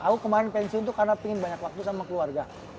aku kemarin pensiun tuh karena pengen banyak waktu sama keluarga